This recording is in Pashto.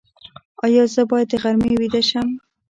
ایا زه باید د غرمې ویده شم؟